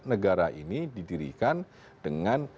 negara ini didirikan dengan